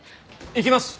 行きます！